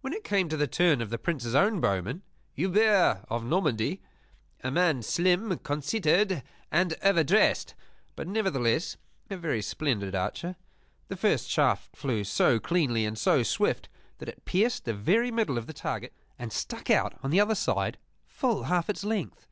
When it came to the turn of the Prince's own bowman, Hubert of Normandy a man slim, conceited, and over dressed, but nevertheless a very splendid archer the first shaft flew so cleanly and so swift that it pierced the very middle of the target and stuck out on the other side full half its length.